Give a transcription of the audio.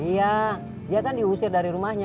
ya dia kan diusir dari rumahnya